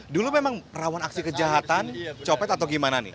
dulu memang rawan aksi kejahatan copet atau gimana nih